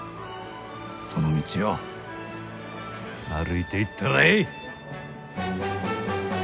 その道を歩いていったらえい！